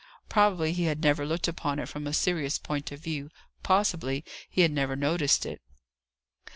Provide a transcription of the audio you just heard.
Probably, he had never looked upon it from a serious point of view; possibly, he had never noticed it.